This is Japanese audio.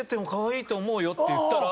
て言ったら。